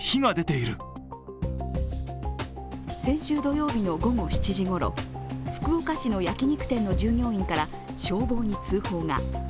先週土曜日の午後７時ごろ、福岡市の焼き肉店の従業員から消防に通報が。